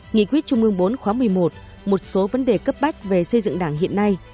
nghị quyết trung ương bốn khóa một mươi một một số vấn đề cấp bách về xây dựng đảng hiện nay